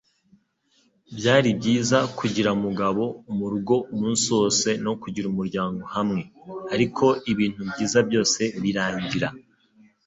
Byari byiza kugira Mugabo murugo umunsi wose no kugira umuryango hamwe, ariko ibintu byiza byose birangira.